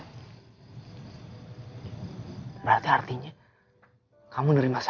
berarti artinya kamu menerima saya